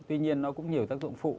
tuy nhiên nó cũng nhiều tác dụng phụ